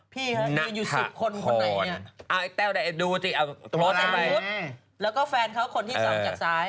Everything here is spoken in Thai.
แฟนเค้าคนที่สองจากซ้าย